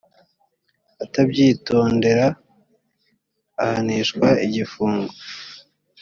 utabyitondera ahanishwa igifungo